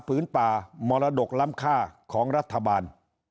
พื้นป่ามรดกล้ำค่าของรัฐบาล